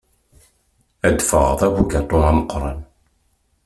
Ad ffɣeɣ d abugaṭu ameqqran.